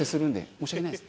申し訳ないです。